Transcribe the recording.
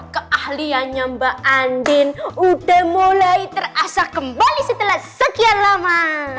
keahliannya mbak andin udah mulai terasa kembali setelah sekian lama